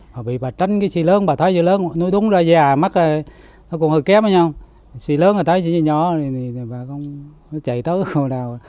bà bị bà tránh cái xì lớn bà thấy xì lớn nó đúng ra già mắt nó cũng hơi kém xì lớn thì thấy xì nhỏ bà không nó chạy tới không nào